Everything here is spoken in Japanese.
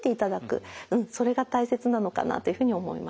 うんそれが大切なのかなっていうふうに思います。